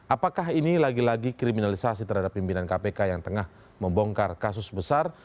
apakah ini lagi lagi kriminalisasi terhadap pimpinan kpk yang tengah membongkar kasus besar